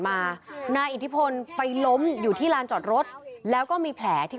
มานายอิทธิพลไปล้มอยู่ที่ลานจอดรถแล้วก็มีแผลที่